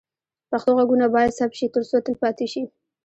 پښتو غږونه باید ثبت شي ترڅو تل پاتې شي.